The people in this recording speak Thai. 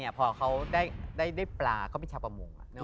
พี่ยังไม่ได้เลิกแต่พี่ยังไม่ได้เลิก